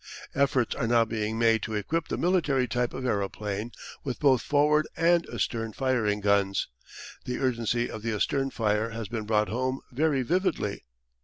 Efforts are now being made to equip the military type of aeroplane with both forward and astern firing guns. The urgency of astern fire has been brought home very vividly.